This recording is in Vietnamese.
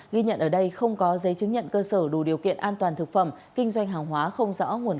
ghi nhận ở đây không có giấy chứng nhận cơ sở đủ điều kiện an toàn thực phẩm kinh doanh hàng hóa không rõ nguồn gốc